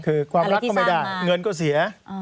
คือความรักก็ไม่ได้เงินก็เสีย